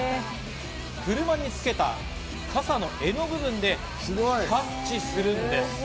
車につけた傘の柄の部分でキャッチするんです。